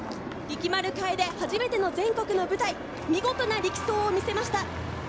力丸楓、初めての全国の舞台、見事な力走を見せました。